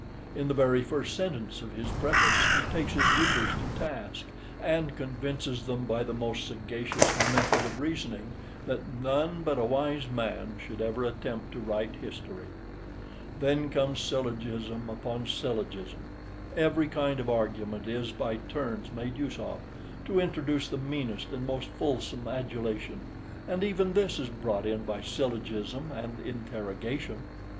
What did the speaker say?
In the very first sentence of his preface he takes his readers to task, and convinces them by the most sagacious method of reasoning that "none but a wise man should ever attempt to write history." Then comes syllogism upon syllogism; every kind of argument is by turns made use of, to introduce the meanest and most fulsome adulation; and even this is brought in by syllogism and interrogation.